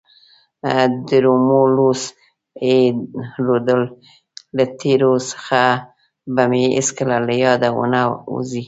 د رومولوس تی رودل له تیبر څخه به مې هیڅکله له یاده ونه وزي.